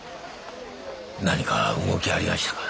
何か動きありやしたか？